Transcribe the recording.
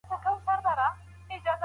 موږ باید په انټرنیټ کې د حق غږ پورته کړو.